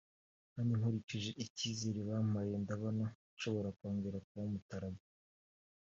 kandi nkurikije icyizere bampaye ndabona nshobora kongera kuba mutaraga